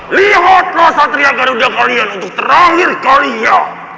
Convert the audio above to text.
lihatlah satria garuda kalian untuk terakhir kali ya